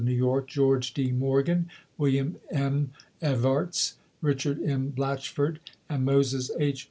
VII. New York, George D. Morgan, William M. Evarts, Richard M. BlatcMord, and Moses H.